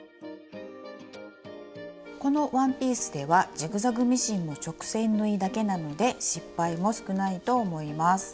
このワンピースではジグザグミシンも直線縫いだけなので失敗も少ないと思います。